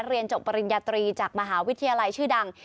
เรียนจบปริญญาตรีจากมหาวิทยาลัยชื่อดัง